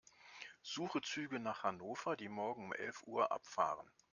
Suche Züge nach Hannover, die morgen um elf Uhr abfahren.